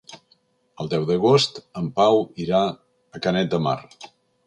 El deu d'agost en Pau irà a Canet de Mar.